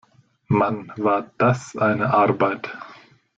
Mann, war das eine Arbeit!